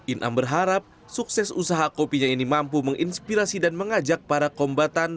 inam berharap sukses usaha kopinya ini mampu menginspirasi dan mengajak para kombatan